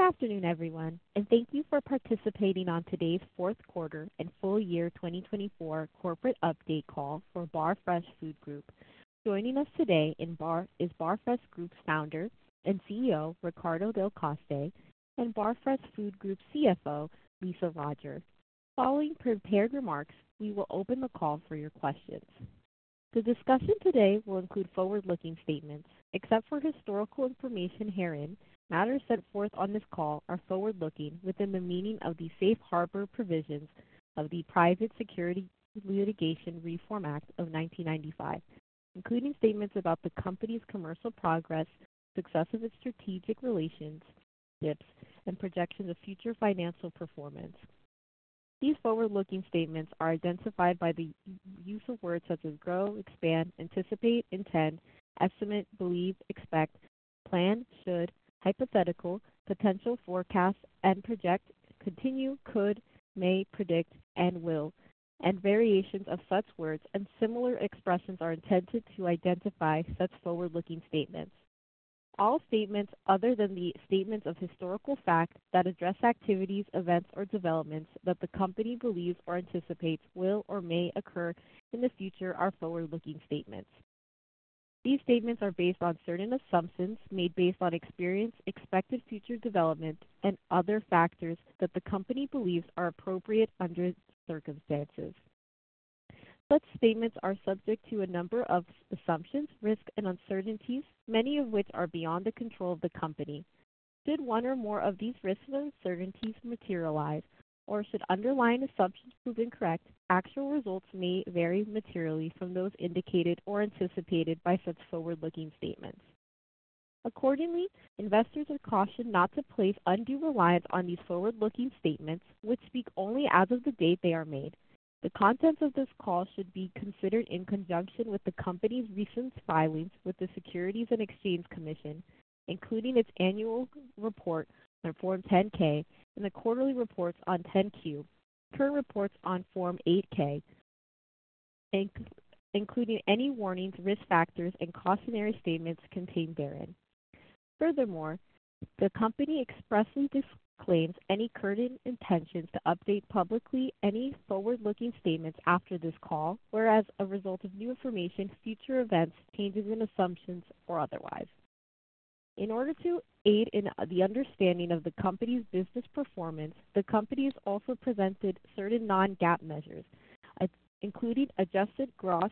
Good afternoon, everyone, and thank you for participating on today's fourth quarter and full year 2024 corporate update call for Barfresh Food Group. Joining us today is Barfresh Food Group's founder and CEO, Riccardo Delle Coste, and Barfresh Food Group CFO, Lisa Roger. Following prepared remarks, we will open the call for your questions. The discussion today will include forward-looking statements. Except for historical information here, matters set forth on this call are forward-looking within the meaning of the Safe Harbor provisions of the Private Securities Litigation Reform Act of 1995, including statements about the company's commercial progress, success of its strategic relations, and projections of future financial performance. These forward-looking statements are identified by the use of words such as grow, expand, anticipate, intend, estimate, believe, expect, plan, should, hypothetical, potential, forecast, and project, continue, could, may, predict, and will. Variations of such words and similar expressions are intended to identify such forward-looking statements. All statements other than the statements of historical fact that address activities, events, or developments that the company believes or anticipates will or may occur in the future are forward-looking statements. These statements are based on certain assumptions made based on experience, expected future development, and other factors that the company believes are appropriate under circumstances. Such statements are subject to a number of assumptions, risks, and uncertainties, many of which are beyond the control of the company. Should one or more of these risks and uncertainties materialize, or should underlying assumptions prove incorrect, actual results may vary materially from those indicated or anticipated by such forward-looking statements. Accordingly, investors are cautioned not to place undue reliance on these forward-looking statements, which speak only as of the date they are made. The contents of this call should be considered in conjunction with the company's recent filings with the Securities and Exchange Commission, including its annual report on Form 10-K and the quarterly reports on 10-Q, and current reports on Form 8-K, including any warnings, risk factors, and cautionary statements contained therein. Furthermore, the company expressly disclaims any current intentions to update publicly any forward-looking statements after this call, whether as a result of new information, future events, changes in assumptions, or otherwise. In order to aid in the understanding of the company's business performance, the company has also presented certain non-GAAP measures, including adjusted gross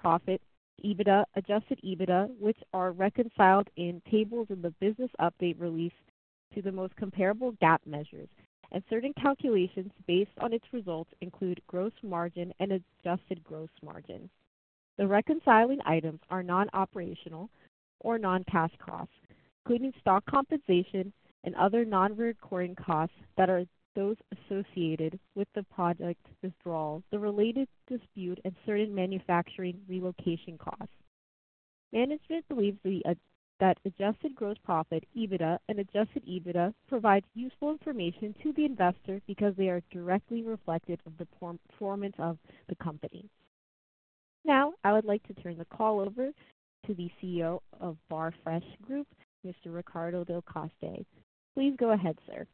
profit, adjusted EBITDA, which are reconciled in tables in the business update release to the most comparable GAAP measures. Certain calculations based on its results include gross margin and adjusted gross margin. The reconciling items are non-operational or non-cash costs, including stock compensation and other non-recurring costs that are those associated with the project withdrawal, the related dispute, and certain manufacturing relocation costs. Management believes that adjusted gross profit, EBITDA, and adjusted EBITDA provide useful information to the investor because they are directly reflected in the performance of the company. Now, I would like to turn the call over to the CEO of Barfresh Food Group, Mr. Riccardo Delle Coste. Please go ahead, sir.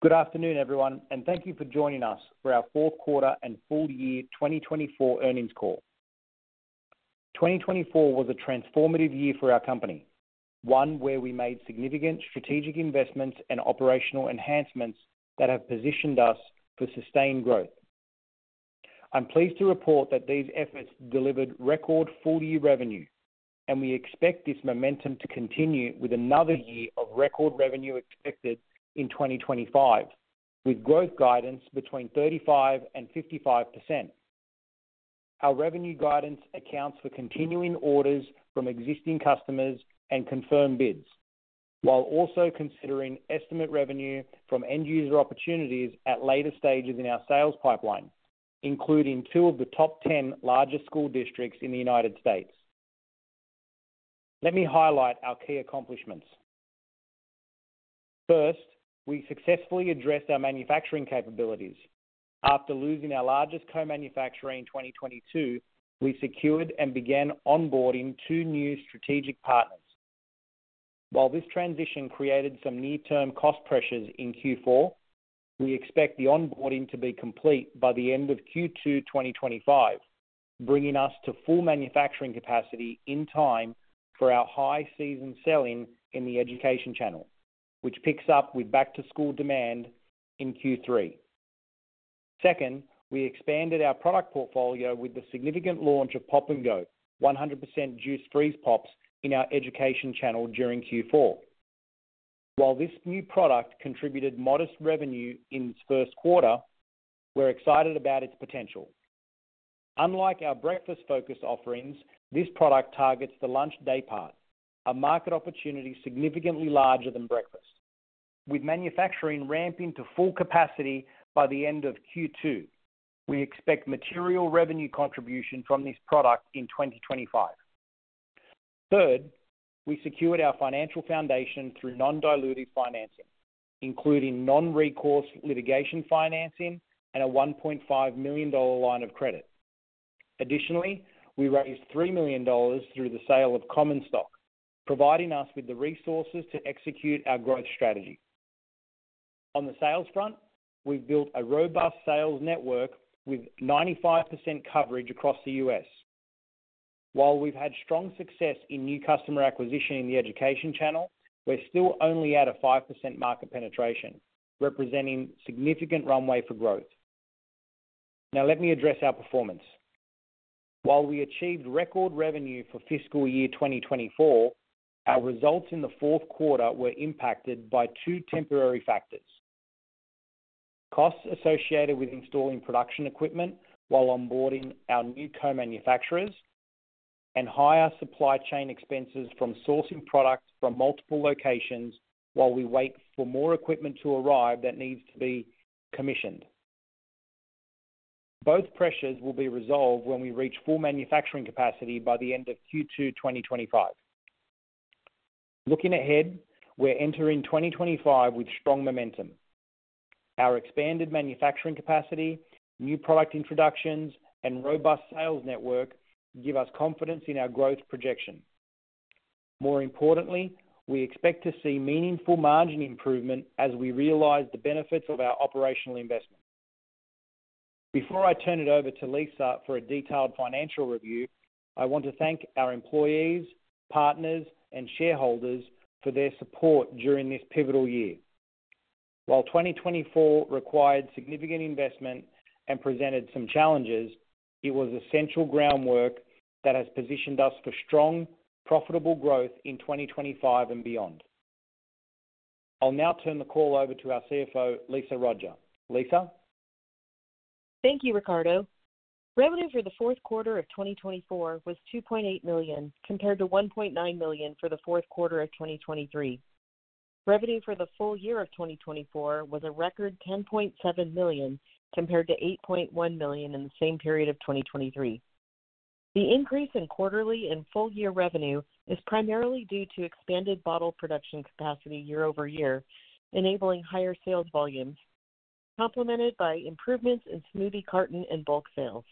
Good afternoon, everyone, and thank you for joining us for our fourth quarter and full year 2024 earnings call. 2024 was a transformative year for our company, one where we made significant strategic investments and operational enhancements that have positioned us for sustained growth. I'm pleased to report that these efforts delivered record full-year revenue, and we expect this momentum to continue with another year of record revenue expected in 2025, with growth guidance between 35% and 55%. Our revenue guidance accounts for continuing orders from existing customers and confirmed bids, while also considering estimated revenue from end-user opportunities at later stages in our sales pipeline, including two of the top 10 largest school districts in the United States. Let me highlight our key accomplishments. First, we successfully addressed our manufacturing capabilities. After losing our largest co-manufacturer in 2022, we secured and began onboarding two new strategic partners. While this transition created some near-term cost pressures in Q4, we expect the onboarding to be complete by the end of Q2 2025, bringing us to full manufacturing capacity in time for our high-season sell-in in the education channel, which picks up with back-to-school demand in Q3. Second, we expanded our product portfolio with the significant launch of Pop & Go, 100% juice freeze pops in our education channel during Q4. While this new product contributed modest revenue in its first quarter, we're excited about its potential. Unlike our breakfast-focused offerings, this product targets the lunch day part, a market opportunity significantly larger than breakfast. With manufacturing ramping to full capacity by the end of Q2, we expect material revenue contribution from this product in 2025. Third, we secured our financial foundation through non-dilutive financing, including non-recourse litigation financing and a $1.5 million line of credit. Additionally, we raised $3 million through the sale of common stock, providing us with the resources to execute our growth strategy. On the sales front, we've built a robust sales network with 95% coverage across the U.S. While we've had strong success in new customer acquisition in the education channel, we're still only at a 5% market penetration, representing a significant runway for growth. Now, let me address our performance. While we achieved record revenue for fiscal year 2024, our results in the fourth quarter were impacted by two temporary factors: costs associated with installing production equipment while onboarding our new co-manufacturers, and higher supply chain expenses from sourcing products from multiple locations while we wait for more equipment to arrive that needs to be commissioned. Both pressures will be resolved when we reach full manufacturing capacity by the end of Q2 2025. Looking ahead, we're entering 2025 with strong momentum. Our expanded manufacturing capacity, new product introductions, and robust sales network give us confidence in our growth projection. More importantly, we expect to see meaningful margin improvement as we realize the benefits of our operational investment. Before I turn it over to Lisa for a detailed financial review, I want to thank our employees, partners, and shareholders for their support during this pivotal year. While 2024 required significant investment and presented some challenges, it was essential groundwork that has positioned us for strong, profitable growth in 2025 and beyond. I'll now turn the call over to our CFO, Lisa Roger. Lisa. Thank you, Riccardo. Revenue for the fourth quarter of 2024 was $2.8 million compared to $1.9 million for the fourth quarter of 2023. Revenue for the full year of 2024 was a record $10.7 million compared to $8.1 million in the same period of 2023. The increase in quarterly and full-year revenue is primarily due to expanded bottle production capacity year-over-year, enabling higher sales volumes, complemented by improvements in smoothie carton and bulk sales.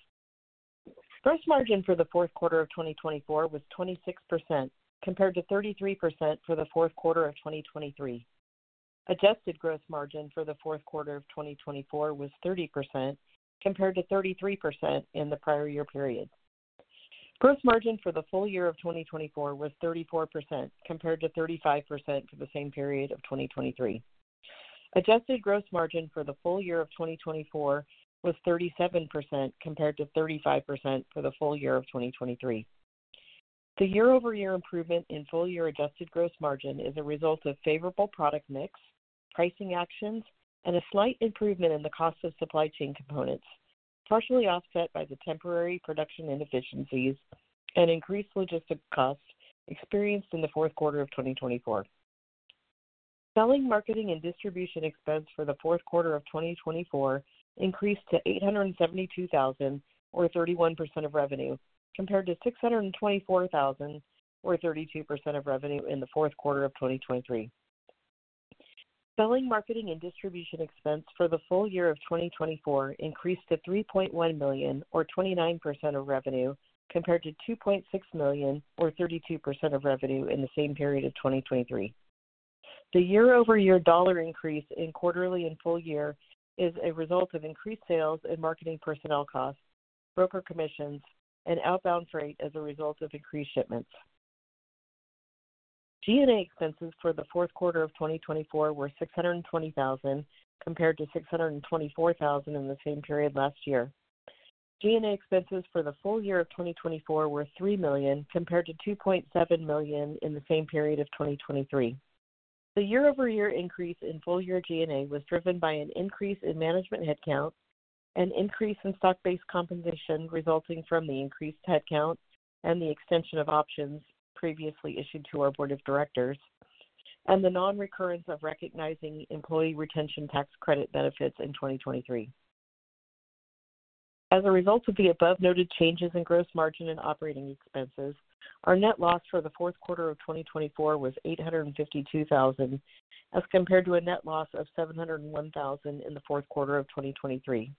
Gross margin for the fourth quarter of 2024 was 26% compared to 33% for the fourth quarter of 2023. Adjusted gross margin for the fourth quarter of 2024 was 30% compared to 33% in the prior year period. Gross margin for the full year of 2024 was 34% compared to 35% for the same period of 2023. Adjusted gross margin for the full year of 2024 was 37% compared to 35% for the full year of 2023. The year-over-year improvement in full-year adjusted gross margin is a result of favorable product mix, pricing actions, and a slight improvement in the cost of supply chain components, partially offset by the temporary production inefficiencies and increased logistics costs experienced in the fourth quarter of 2024. Selling, marketing, and distribution expense for the fourth quarter of 2024 increased to $872,000, or 31% of revenue, compared to $624,000, or 32% of revenue in the fourth quarter of 2023. Selling, marketing, and distribution expense for the full year of 2024 increased to $3.1 million, or 29% of revenue, compared to $2.6 million, or 32% of revenue in the same period of 2023. The year-over-year dollar increase in quarterly and full year is a result of increased sales and marketing personnel costs, broker commissions, and outbound freight as a result of increased shipments. G&A expenses for the fourth quarter of 2024 were $620,000 compared to $624,000 in the same period last year. G&A expenses for the full year of 2024 were $3 million, compared to $2.7 million in the same period of 2023. The year-over-year increase in full-year G&A was driven by an increase in management headcount, an increase in stock-based compensation resulting from the increased headcount and the extension of options previously issued to our board of directors, and the non-recurrence of recognizing Employee Retention Tax Credit benefits in 2023. As a result of the above-noted changes in gross margin and operating expenses, our net loss for the fourth quarter of 2024 was $852,000, as compared to a net loss of $701,000 in the fourth quarter of 2023.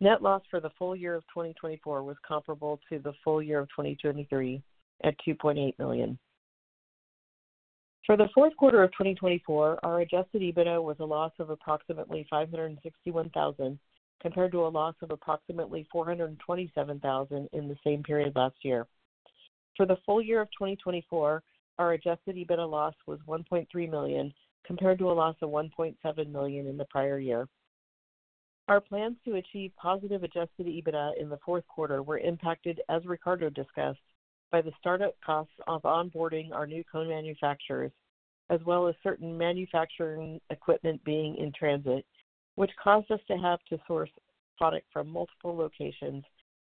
Net loss for the full year of 2024 was comparable to the full year of 2023 at $2.8 million. For the fourth quarter of 2024, our adjusted EBITDA was a loss of approximately $561,000, compared to a loss of approximately $427,000 in the same period last year. For the full year of 2024, our adjusted EBITDA loss was $1.3 million, compared to a loss of $1.7 million in the prior year. Our plans to achieve positive adjusted EBITDA in the fourth quarter were impacted, as Riccardo discussed, by the startup costs of onboarding our new co-manufacturers, as well as certain manufacturing equipment being in transit, which caused us to have to source product from multiple locations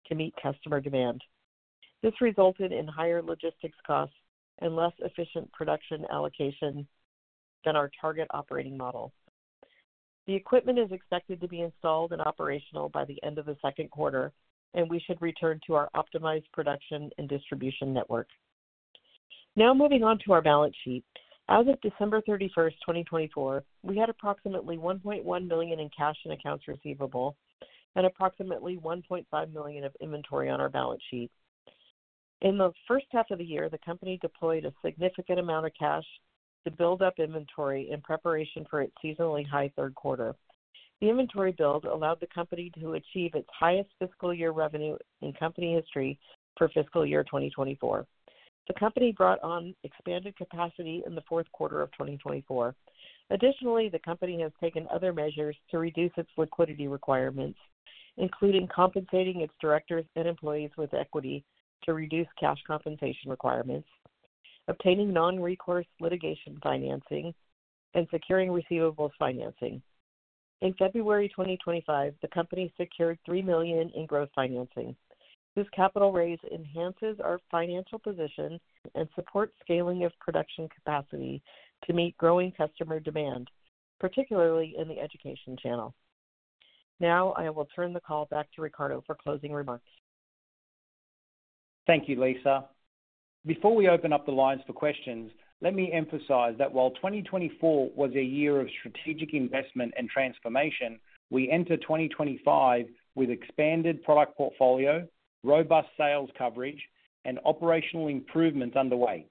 to meet customer demand. This resulted in higher logistics costs and less efficient production allocation than our target operating model. The equipment is expected to be installed and operational by the end of the second quarter, and we should return to our optimized production and distribution network. Now, moving on to our balance sheet. As of December 31st, 2024, we had approximately $1.1 million in cash and accounts receivable and approximately $1.5 million of inventory on our balance sheet. In the first half of the year, the company deployed a significant amount of cash to build up inventory in preparation for its seasonally high third quarter. The inventory build allowed the company to achieve its highest fiscal year revenue in company history for fiscal year 2024. The company brought on expanded capacity in the fourth quarter of 2024. Additionally, the company has taken other measures to reduce its liquidity requirements, including compensating its directors and employees with equity to reduce cash compensation requirements, obtaining non-recourse litigation financing, and securing receivables financing. In February 2025, the company secured $3 million in gross financing. This capital raise enhances our financial position and supports scaling of production capacity to meet growing customer demand, particularly in the education channel. Now, I will turn the call back to Riccardo for closing remarks. Thank you, Lisa. Before we open up the lines for questions, let me emphasize that while 2024 was a year of strategic investment and transformation, we enter 2025 with an expanded product portfolio, robust sales coverage, and operational improvements underway.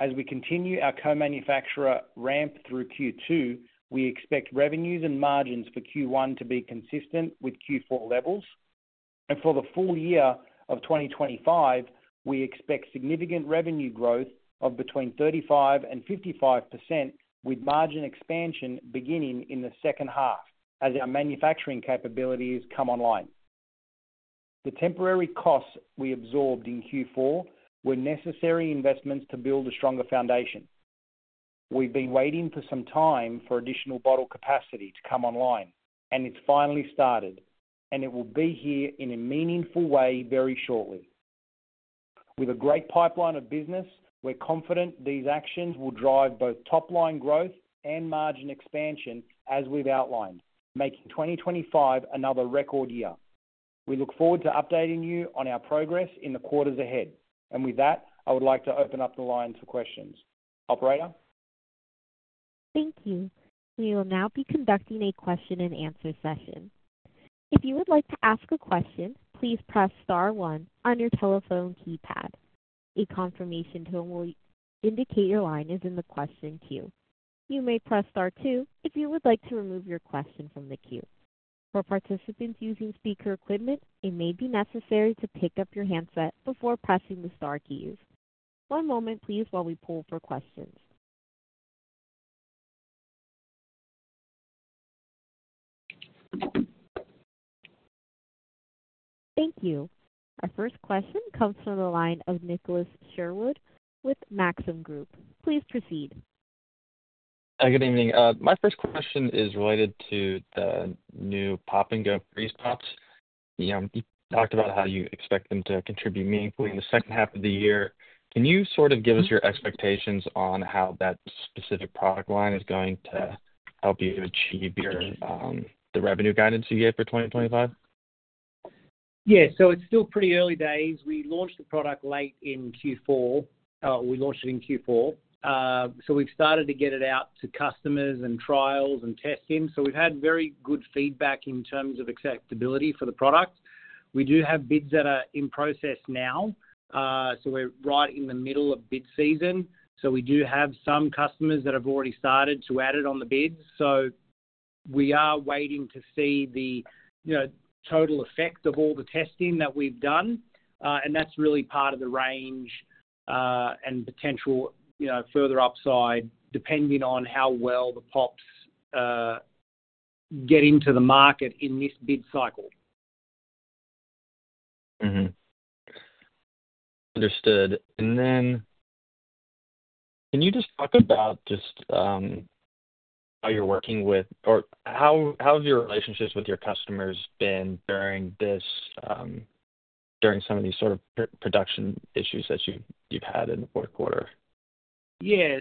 As we continue our co-manufacturer ramp through Q2, we expect revenues and margins for Q1 to be consistent with Q4 levels. For the full year of 2025, we expect significant revenue growth of between 35% and 55%, with margin expansion beginning in the second half as our manufacturing capabilities come online. The temporary costs we absorbed in Q4 were necessary investments to build a stronger foundation. We've been waiting for some time for additional bottle capacity to come online, and it's finally started, and it will be here in a meaningful way very shortly. With a great pipeline of business, we're confident these actions will drive both top-line growth and margin expansion, as we've outlined, making 2025 another record year. We look forward to updating you on our progress in the quarters ahead. I would like to open up the lines for questions. Operator. Thank you. We will now be conducting a question-and-answer session. If you would like to ask a question, please press star one on your telephone keypad. A confirmation tone will indicate your line is in the question queue. You may press star two if you would like to remove your question from the queue. For participants using speaker equipment, it may be necessary to pick up your handset before pressing the star keys. One moment, please, while we pull for questions. Thank you. Our first question comes from the line of Nicholas Sherwood with Maxim Group. Please proceed. Good evening. My first question is related to the new Pop & Go freeze pops. You talked about how you expect them to contribute meaningfully in the second half of the year. Can you sort of give us your expectations on how that specific product line is going to help you achieve the revenue guidance you gave for 2025? Yeah. It is still pretty early days. We launched the product late in Q4. We launched it in Q4. We have started to get it out to customers and trials and testing. We have had very good feedback in terms of acceptability for the product. We do have bids that are in process now. We are right in the middle of bid season. We do have some customers that have already started to add it on the bids. We are waiting to see the total effect of all the testing that we have done. That is really part of the range and potential further upside depending on how well the pops get into the market in this bid cycle. Understood. Can you just talk about just how you're working with or how have your relationships with your customers been during some of these sort of production issues that you've had in the fourth quarter? Yeah.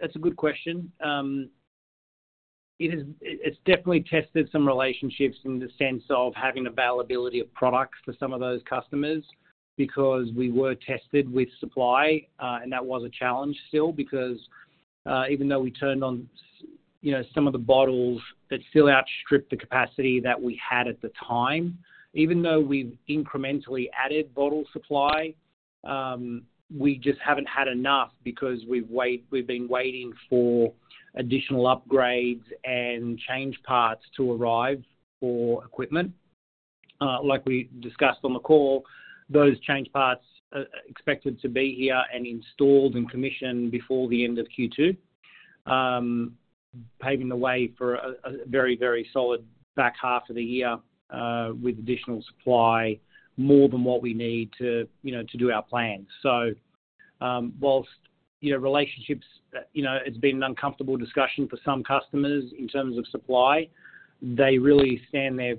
That's a good question. It's definitely tested some relationships in the sense of having availability of product for some of those customers because we were tested with supply. That was a challenge still because even though we turned on some of the bottles, it still outstripped the capacity that we had at the time. Even though we've incrementally added bottle supply, we just haven't had enough because we've been waiting for additional upgrades and change parts to arrive for equipment. Like we discussed on the call, those change parts are expected to be here and installed and commissioned before the end of Q2, paving the way for a very, very solid back half of the year with additional supply, more than what we need to do our plans. Whilst relationships have been an uncomfortable discussion for some customers in terms of supply, they really stand there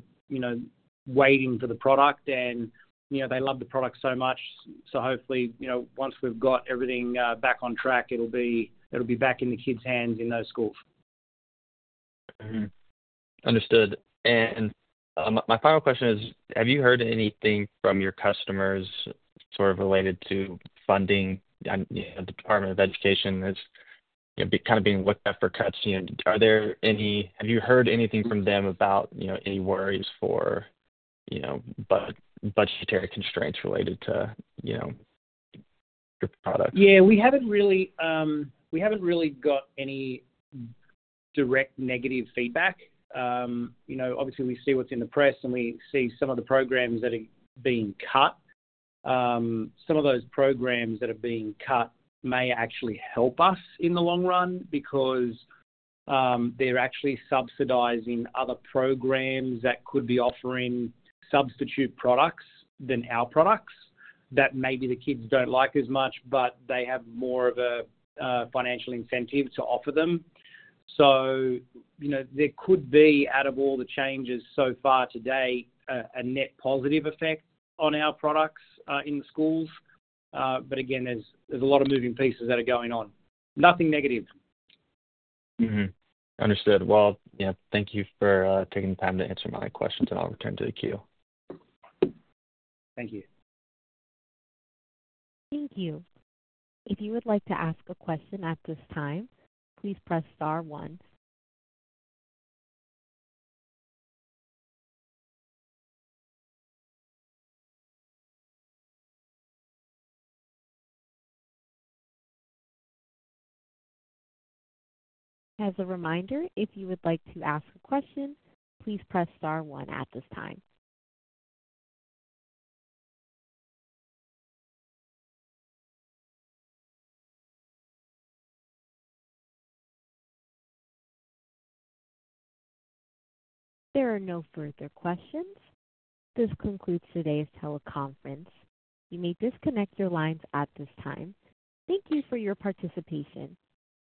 waiting for the product, and they love the product so much. Hopefully, once we've got everything back on track, it'll be back in the kids' hands in those schools. Understood. My final question is, have you heard anything from your customers sort of related to funding? The Department of Education is kind of being looked at for cuts. Have you heard anything from them about any worries for budgetary constraints related to your product? Yeah. We haven't really got any direct negative feedback. Obviously, we see what's in the press, and we see some of the programs that are being cut. Some of those programs that are being cut may actually help us in the long run because they're actually subsidizing other programs that could be offering substitute products than our products that maybe the kids don't like as much, but they have more of a financial incentive to offer them. There could be, out of all the changes so far to date, a net positive effect on our products in the schools. Again, there's a lot of moving pieces that are going on. Nothing negative. Understood. Yeah, thank you for taking the time to answer my questions, and I'll return to the queue. Thank you. Thank you. If you would like to ask a question at this time, please press star one. As a reminder, if you would like to ask a question, please press star one at this time. There are no further questions. This concludes today's teleconference. You may disconnect your lines at this time. Thank you for your participation.